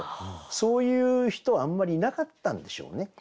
そういう人はあんまりいなかったんでしょうね。